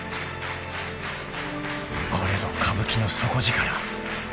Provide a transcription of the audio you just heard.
［これぞ歌舞伎の底力］